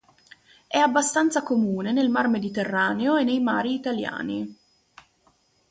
È abbastanza comune nel mar Mediterraneo e nei mari italiani.